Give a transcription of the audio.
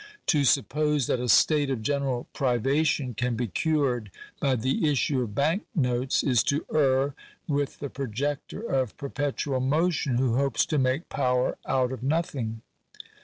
To suppose that a state of general privation can be cured by the issue of bank notes, is to err with the projector of perpetual motion, who hopes to make power out of nothing.